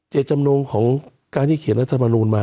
เจ็ดจำนงของการที่เขียนทศมานรูนมา